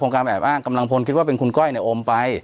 การแอบอ้างกำลังพลคิดว่าเป็นคุณก้อยเนี่ยโอมไป